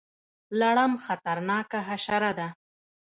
لړم خطرناکه حشره ده